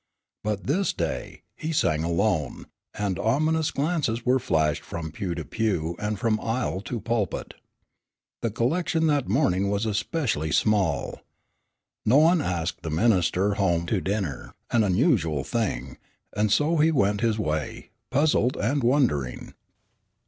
But this day, he sang alone, and ominous glances were flashed from pew to pew and from aisle to pulpit. The collection that morning was especially small. No one asked the minister home to dinner, an unusual thing, and so he went his way, puzzled and wondering.